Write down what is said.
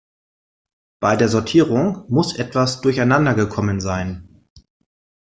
Bei der Sortierung muss etwas durcheinander gekommen sein.